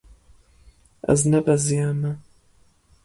Ez nebeziyame.